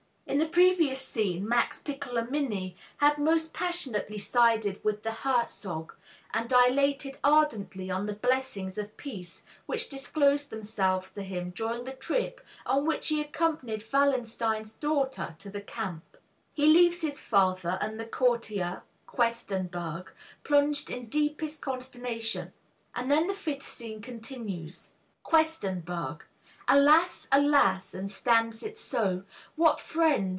In the previous scene, Max Piccolomini has most passionately sided with the Herzog, and dilated ardently on the blessings of peace which disclosed themselves to him during the trip on which he accompanied Wallenstein's daughter to the camp. He leaves his father and the courtier, Questenberg, plunged in deepest consternation. And then the fifth scene continues: Q. Alas! Alas! and stands it so? What friend!